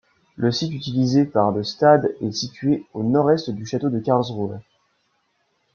Le site utilisé par le stade est situé au nord-est du Château de Karlsruhe.